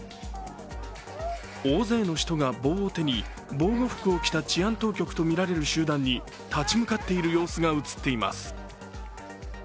大勢の人が棒を手に、防護服を着た治安当局とみられる集団に、立ち向かっている様子が映っています。